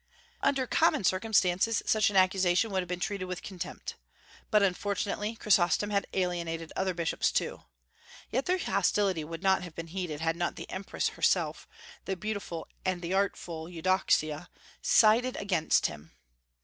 Under common circumstances such an accusation would have been treated with contempt. But, unfortunately, Chrysostom had alienated other bishops also. Yet their hostility would not have been heeded had not the empress herself, the beautiful and the artful Eudoxia, sided against him.